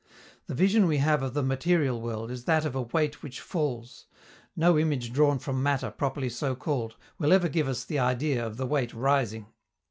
The vision we have of the material world is that of a weight which falls: no image drawn from matter, properly so called, will ever give us the idea of the weight rising.